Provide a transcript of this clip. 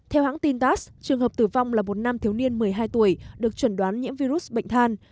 theo hãng tin tass trường hợp tử vong là một nam thiếu niên một mươi hai tuổi được chuẩn đoán nhiễm virus bệnh than